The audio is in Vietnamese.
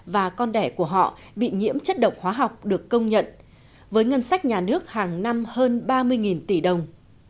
và con đẻ của họ bị nhiễm chất độc hóa học được công nhận với ngân sách nhà nước hàng năm hơn ba mươi tỷ đồng